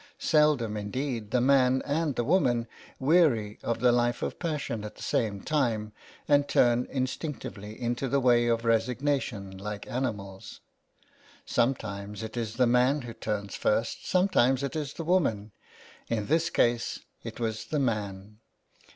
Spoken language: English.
Seldom, in deed, the man and the woman weary of the life of pas sion at the same time and turn instinctively into the wayof resignationlikeanimals. Sometimes it isthe man who turns first, sometimes it is the woman. In this case it was the man.